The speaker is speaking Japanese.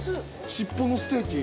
尻尾のステーキ。